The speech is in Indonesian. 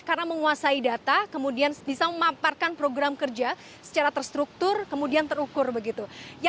karena menguasai data kemudian bisa memamparkan program kerja secara terstruktur kemudian terukur begitu